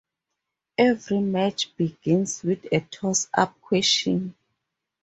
Every match begins with a toss-up question.